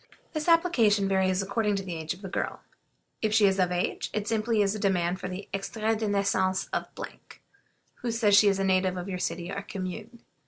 This application varies according to the age of the girl. If she is of age it is simply a demand for the "extrait de naissance of , who says she is a native of your city or commune."